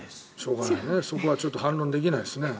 そこはちょっと反論できないですね。